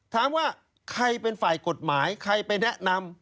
ถามว่าใครเป็นฝ่ายกฎหมายใครไปแนะนำ